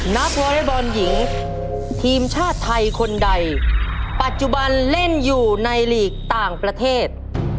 วอเล็กบอลหญิงทีมชาติไทยคนใดปัจจุบันเล่นอยู่ในหลีกต่างประเทศ